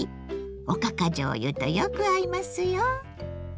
おかかじょうゆとよく合いますよ。